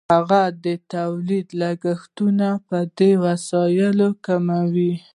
هغه د تولید لګښتونه په دې وسیله کموي